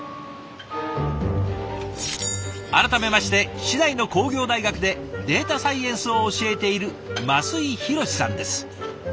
改めまして市内の工業大学でデータサイエンスを教えている升井洋志さんです。